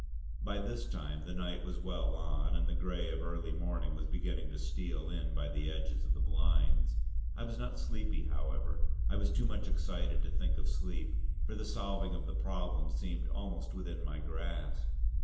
By this time the night was well on and the grey of early morning was beginning to steal in by the edges of the blinds; I was not sleepy, however; I was too much excited to think of sleep, for the solving of the problem seemed almost within my grasp.